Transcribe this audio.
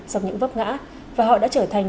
sau những vấp ngã và họ đã trở thành